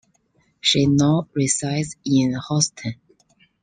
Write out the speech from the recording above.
She now resides in Houston.